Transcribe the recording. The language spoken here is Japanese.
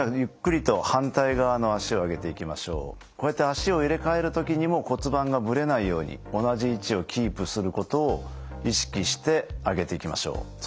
こうやって脚を入れかえる時にも骨盤がぶれないように同じ位置をキープすることを意識して上げていきましょう。